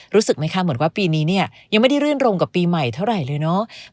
รู้สึกไหมคะเหมือนว่าปีนี้เนี่ยยังไม่ได้รื่นโรงกับปีใหม่เท่าไหร่เลยเนาะ